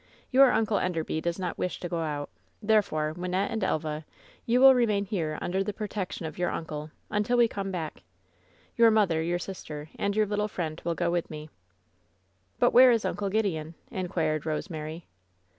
Your Uncle Enderby does not wish to go out Therefore, Wynnette and Elva, you will remain here under the protection of your xmcle, imtil we come back. Your mother, your sister, and your little friend will go with me." "But where is TJncle Gideon?" inquired Rosemary.